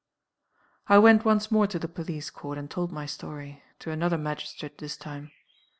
"I went once more to the police court, and told my story to another magistrate this time.